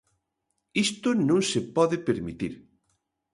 Isto non se pode permitir.